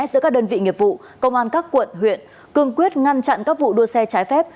giữa các đơn vị nghiệp vụ công an các quận huyện cương quyết ngăn chặn các vụ đua xe trái phép